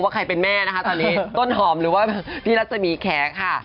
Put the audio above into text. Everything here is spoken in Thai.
ใครเป็นแม่นะคะตอนนี้ต้นหอมหรือว่าพี่รัศมีแขค่ะ